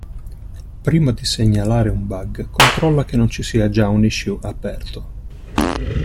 Prima di segnalare un bug controlla che non ci sia già un issue aperto.